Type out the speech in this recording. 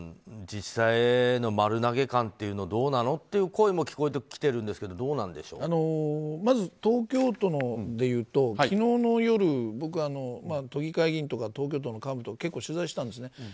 自治体への丸投げ感ってどうなのっていう声も聞かれてきているんですがまず東京都でいうと昨日の夜、僕は都議会議員とか東京都の幹部を取材したんですね。